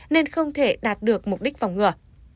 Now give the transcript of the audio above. nên không thể đạt được mục đích phòng ngừa